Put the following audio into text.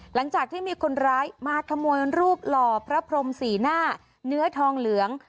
หลังจากที่มีคนร้ายมาขโมยรูปหล่อพระพรมสีหน้าเนื้อทองเหลือง